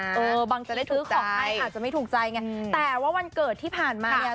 เออบางทีได้ซื้อของให้อาจจะไม่ถูกใจไงแต่ว่าวันเกิดที่ผ่านมาเนี่ย